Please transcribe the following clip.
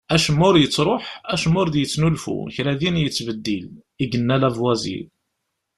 "Acemma ur yettruḥ, acemma ur d-yettnulfu, kra din yettbeddil", i yenna Lavoisier.